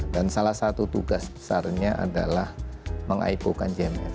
dan salah satu tugas besarnya adalah meng ipo kan gmf